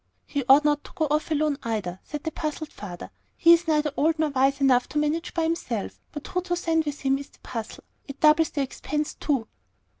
"He ought not to go off alone either," said the puzzled father. "He is neither old enough nor wise enough to manage by himself, but who to send with him is the puzzle. It doubles the expense, too."